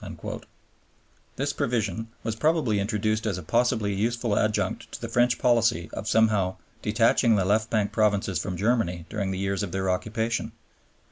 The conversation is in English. " This provision was probably introduced as a possibly useful adjunct to the French policy of somehow detaching the left bank provinces from Germany during the years of their occupation.